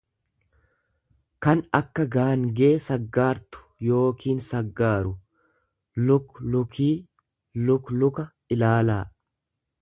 kan akka gaangee saggaartu yookiin saggaaru.luk lukii luk luka ilaalaa.